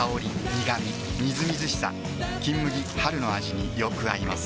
みずみずしさ「金麦」春の味によく合います